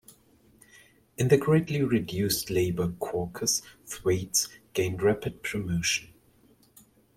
In the greatly reduced Labor Caucus, Thwaites gained rapid promotion.